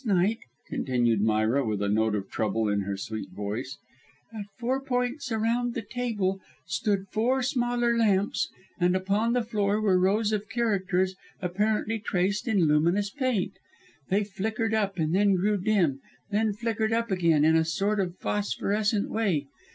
"Last night," continued Myra, with a note of trouble in her sweet voice "at four points around this table, stood four smaller lamps and upon the floor were rows of characters apparently traced in luminous paint. They flickered up and then grew dim, then flickered up again, in a sort of phosphorescent way.